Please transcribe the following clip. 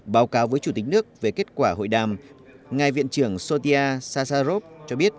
báo cáo với chủ tịch nước về kết quả hội đàm ngài viện trưởng sotia sasarov cho biết